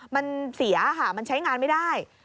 มันเสียค่ะมันใช้งานไม่ได้